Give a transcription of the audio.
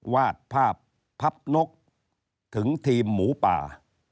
วาดภาพพับนกถึงทีมหมูป่า